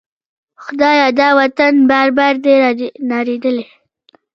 خدایه! دا وطن بار بار دی نړیدلی